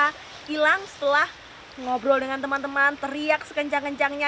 kita hilang setelah ngobrol dengan teman teman teriak sekencang kencangnya